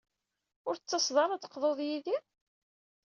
Ur d-tettaseḍ ad teqḍuḍ yid-i?